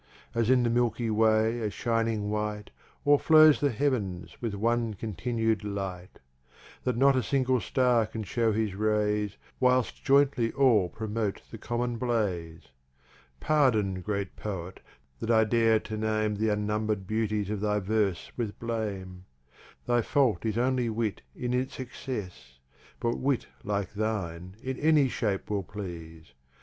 As in the Milky way a shining White, O'er flows the Heav'ns, with one continu'd Light; That not a single Star can shew his Rays, Whilst joyntly all promote the Common Blaze. Pardon, Great Poet, that I dare to name Th' unnumber'd Beauties of thy Verse with blame; Thy fault is only Wit in its Excess, But Wit like thine in any shape will please.